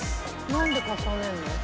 なんで重ねるの？